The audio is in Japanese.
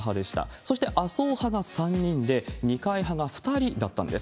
そして麻生派が３人で、二階派が２人だったんです。